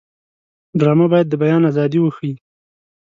ډرامه باید د بیان ازادي وښيي